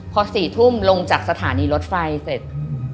พอ๔ทุ่มลงจากสถานีรถไฟเสร็จ